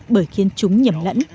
bởi khiến chúng nhầm lẫn